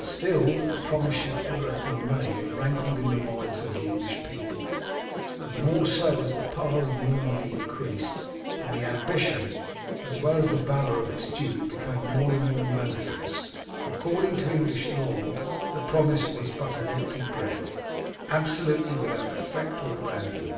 Still, that the promise should ever have been made rankled in the minds of the English people, the more so as the power of Normandy increased, and the ambition as well as the valour of its duke became more and more manifest According to English law the promise was but an empty breath, absolutely without effect or value.